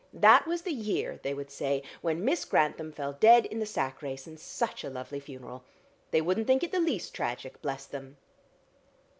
'That was the year,' they would say, 'when Miss Grantham fell dead in the sack race, and such a lovely funeral.' They wouldn't think it the least tragic, bless them."